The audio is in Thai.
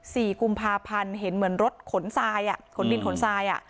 สี่กุมภาพันธ์เห็นเหมือนรถขนทรายอ่ะขนดินขนทรายอ่ะ